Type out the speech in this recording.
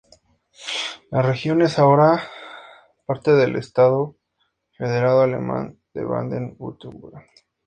La región es ahora parte del estado federado alemán de Baden-Württemberg.